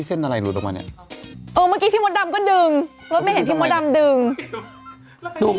เออเมื่อกี้พี่มดดำก็ดึงแล้วไม่เห็นพี่มดดำดึง